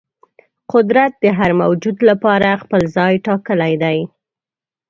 قدرت د هر موجود لپاره خپل ځای ټاکلی دی.